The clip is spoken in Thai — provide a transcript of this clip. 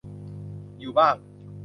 อยู่บ้าง